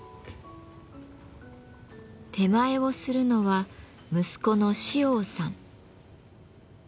点前をするのは息子の梓央さん。